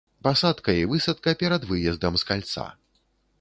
Пасадка і высадка перад выездам з кальца.